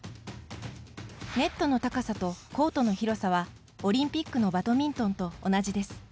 ネットの高さとコートの広さはオリンピックのバドミントンと同じです。